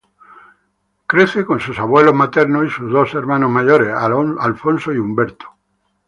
Crece con sus abuelos maternos y sus dos hermanos mayores, Alfonso y Humberto.